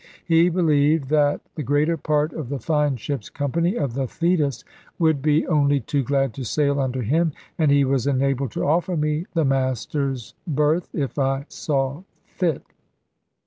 He believed that the greater part of the fine ship's company of the Thetis would be only too glad to sail under him, and he was enabled to offer me the master's berth, if I saw fit.